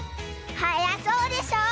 はやそうでしょ！